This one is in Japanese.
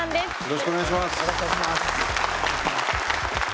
よろしくお願いします。